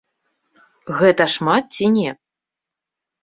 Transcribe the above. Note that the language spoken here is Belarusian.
Гэта шмат ці не?